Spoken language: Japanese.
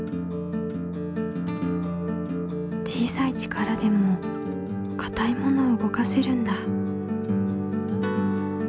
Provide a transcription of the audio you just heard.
小さい力でもかたいものを動かせるんだ。